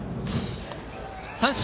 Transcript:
三振！